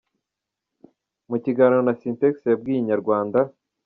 Mu kiganiro na Sintex yabwiye Inyarwanda.